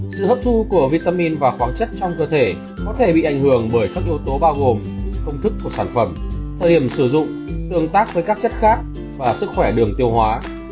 sự hấp thu của vitamin và khoáng chất trong cơ thể có thể bị ảnh hưởng bởi các yếu tố bao gồm công thức của sản phẩm thời điểm sử dụng tương tác với các chất khác và sức khỏe đường tiêu hóa